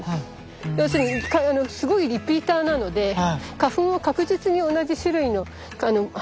要するにすごいリピーターなので花粉を確実に同じ種類の花に運んでくれるんです。